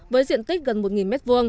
với diện tích gần một m hai